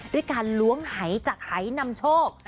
ด้วยการล้วงหายจากหายนำโชค